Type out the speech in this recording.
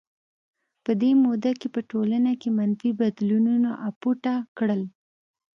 په دې موده کې په ټولنه کې منفي بدلونونو اپوټه کړل.